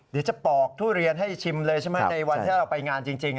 เดี๋ยวจะปอกทุเรียนให้ชิมเลยใช่ไหมในวันที่เราไปงานจริง